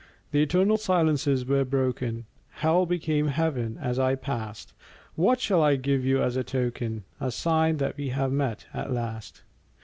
The eternal silences were broken; Hell became Heaven as I passed. What shall I give you as a token, A sign that we have met, at last?